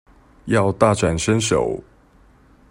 要大展身手